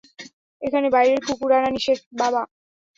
এখানে বাইরের কুকুর আনা নিষেধ, বাবা।